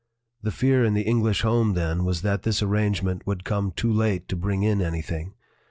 The fear in the English home then was that this ar rangement would come too late to bring in any thing.